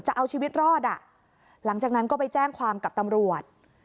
จะเอาชีวิตรอดอ่ะหลังจากนั้นก็ไปแจ้งความกับตำรวจ